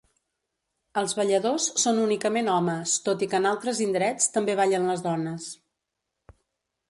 Els balladors són únicament homes tot i que en altres indrets també ballen les dones.